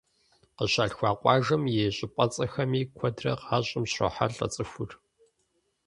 Къыщалъхуа къуажэм и щӀыпӀэцӀэхэми куэдрэ гъащӀэм щрохьэлӀэ цӀыхур.